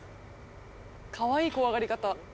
かわいい怖がり方。